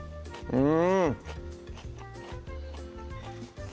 うん！